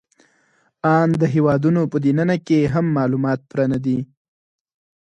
آن د هېوادونو په دننه کې هم معلومات پوره نهدي